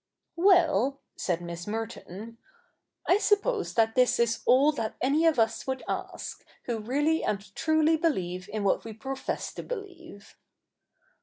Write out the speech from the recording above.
'Well,' said Miss Merton, 'I suppose that this is all that any of us would ask, who really and truly beheve in what we profess to believe.'